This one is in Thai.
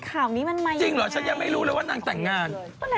ครับนี่มันใหม่จริงอะจริงหรอฉันยังไม่รู้เลยว่านางแต่งงาน